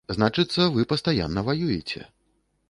Значыцца, вы пастаянна ваюеце.